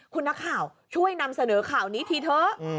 คุณนักข่าวช่วยนำเสนอข่าวนี้ทีเถอะ